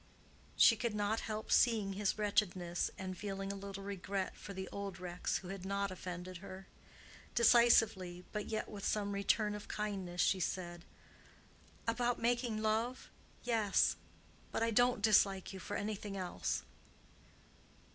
She could not help seeing his wretchedness and feeling a little regret for the old Rex who had not offended her. Decisively, but yet with some return of kindness, she said, "About making love? Yes. But I don't dislike you for anything else."